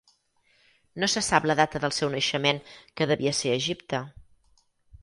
No se sap la data del seu naixement que devia ser a Egipte.